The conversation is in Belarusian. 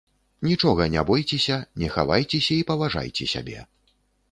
Нічога не бойцеся, не хавайцеся і паважайце сябе.